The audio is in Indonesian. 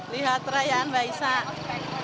lihat rayaan waisak